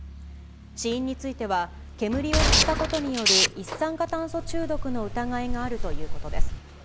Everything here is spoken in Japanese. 死因については、煙を吸ったことによる一酸化炭素中毒の疑いがあるということです。